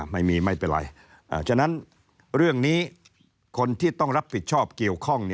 ไม่เป็นไรฉะนั้นเรื่องนี้คนที่ต้องรับผิดชอบเกี่ยวข้อง